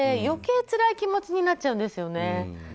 余計つらい気持ちになっちゃうんですよね。